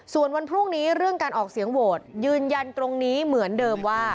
ส่วนวันพรุ่งนี้เรื่องการออกเสียงโหวตยืนยันตรงนี้เหมือนเดิมว่า